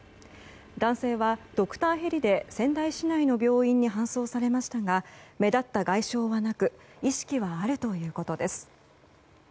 男性はドクターヘリで仙台市内の病院に搬送されましたが目立った外傷はなく意識はあるということです。